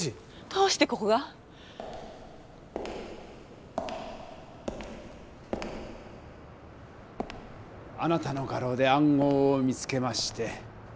どうしてここが？あなたの画廊で暗号を見つけまして。